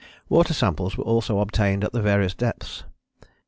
Water samples were also obtained at the various depths.